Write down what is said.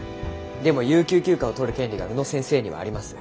でも有給休暇を取る権利が宇野先生にはあります。